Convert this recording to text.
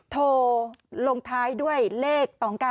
โทลงท้ายด้วยเลขต่อง๙